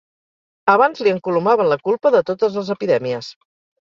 Abans li encolomaven la culpa de totes les epidèmies.